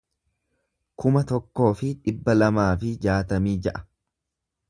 kuma tokkoo fi dhibba lamaa fi jaatamii ja'a